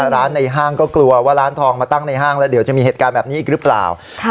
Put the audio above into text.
ในห้างก็กลัวว่าร้านทองมาตั้งในห้างแล้วเดี๋ยวจะมีเหตุการณ์แบบนี้อีกหรือเปล่า